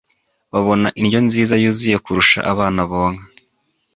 babona indyo nziza yuzuye kurusha abana bonka